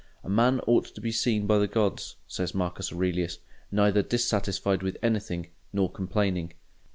"A man ought to be seen by the gods," says Marcus Aurelius, "neither dissatisfied with anything, nor complaining."